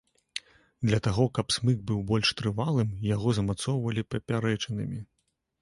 Для таго каб смык быў больш трывалым, яго змацоўвалі папярэчынамі.